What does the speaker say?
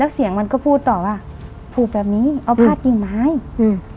เสียงมันก็พูดต่อว่าผูกแบบนี้เอาผ้ากิ่งไม้อืม